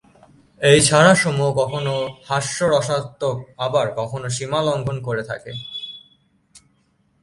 এই ছড়া সমূহ কখনো হাস্যরসাত্মক, আবার কখনো সীমা লঙ্ঘন করে থাকে।